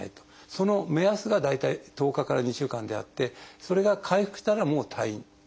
その目安が大体１０日から２週間であってそれが回復したらもう退院。